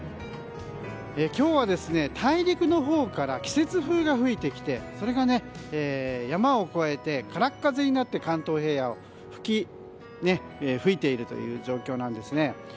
今日は大陸のほうから季節風が吹いてきてそれが山を越えて空っ風になって関東平野を吹いているという状況なんですね。